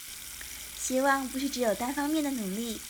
希望不是只有單方面的努力